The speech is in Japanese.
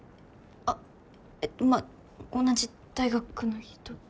あっまあ同じ大学の人で。